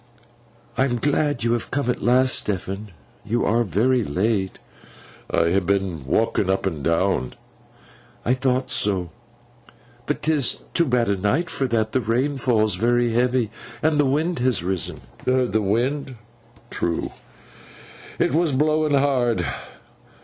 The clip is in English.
'I am glad you have come at last, Stephen. You are very late.' 'I ha' been walking up an' down.' 'I thought so. But 'tis too bad a night for that. The rain falls very heavy, and the wind has risen.' The wind? True. It was blowing hard.